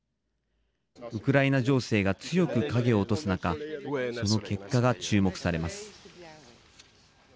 ウクライナ情勢が強く影を落とす中その結果が注目されます。